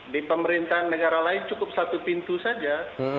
di pemerintahan negara lain cukup satu pintu saja